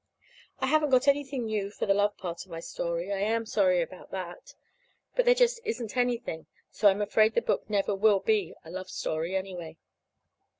I haven't got anything new for the love part of my story. I am sorry about that. But there just isn't anything, so I'm afraid the book never will be a love story, anyway.